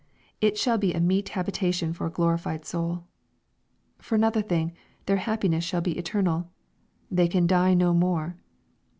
It shall be a meet habitation for a glorified soul. For another thing, their happiness shall be eternal. " They can die no more."